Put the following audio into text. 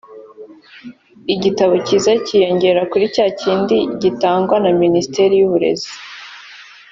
igitabo kiza kiyongera kuri cya kindi gitangwa na Minisiteri y’Uburezi